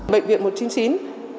bệnh viện một trăm chín mươi chín